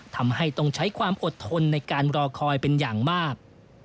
ทำให้ต้องใช้ความอดทนในการรอคอยเป็นอย่างมาก